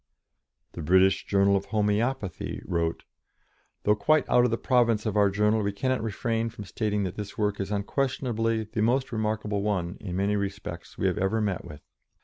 The British Journal of Homoeopathy wrote: "Though quite out of the province of our journal, we cannot refrain from stating that this work is unquestionably the most remarkable one, in many respects, we have ever met with.